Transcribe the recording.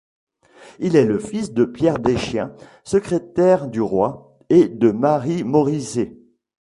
Il est le fils de Pierre Deschien, secrétaire du roi, et de Marie Mauriset.